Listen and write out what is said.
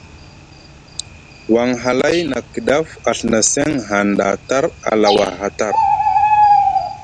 Won halay na kɗaf a Ɵina seŋ hanɗa tar a lawa aha tar.